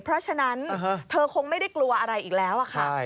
เพราะฉะนั้นเธอคงไม่ได้กลัวอะไรอีกแล้วค่ะ